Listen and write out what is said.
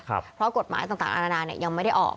เพราะกฎหมายต่างอาณายังไม่ได้ออก